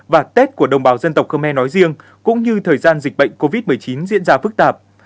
và tết của đồng bào dân tộc khơ me nói riêng cũng như thời gian dịch bệnh covid một mươi chín diễn ra phức tạp